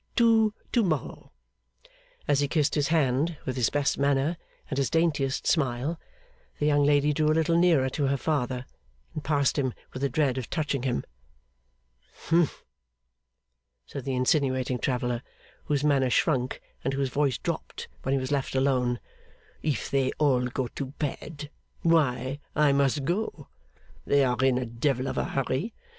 To to morrow!' As he kissed his hand, with his best manner and his daintiest smile, the young lady drew a little nearer to her father, and passed him with a dread of touching him. 'Humph!' said the insinuating traveller, whose manner shrunk, and whose voice dropped when he was left alone. 'If they all go to bed, why I must go. They are in a devil of a hurry.